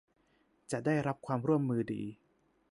จะได้รับความร่วมมือดี